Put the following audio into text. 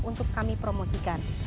untuk kami promosikan